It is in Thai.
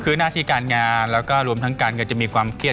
คือหน้าที่การงานแล้วก็รวมทั้งการก็จะมีความเครียด